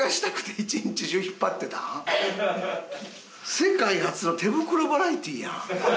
世界初の手袋バラエティやん。